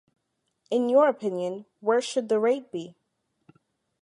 In your opinion, where should the rate be?